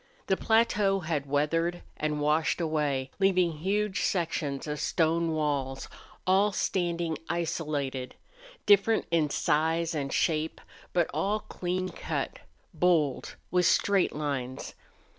The plateau had weathered and washed away, leaving huge sections of stone walls, all standing isolated, different in size and shape, but all clean cut, bold, with straight lines.